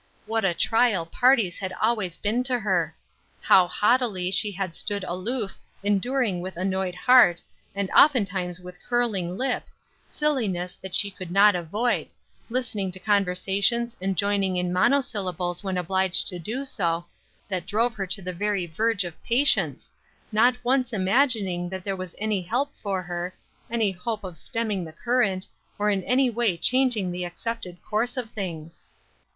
What a trial parties had always been to her! How haughtily she had stood aloof enduring with annoyed heart, and oftentimes with curling lip, sillinesses that she could not avoid, listening to conversations and joining in monosyllables when obliged to do so, that drove her to the very verge of patience, not once imagining that there was any help for her, any hope of stemming the current, or in any way changing the accepted course of things.